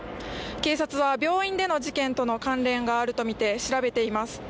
警察は病院での事件との関連があるとみて調べています。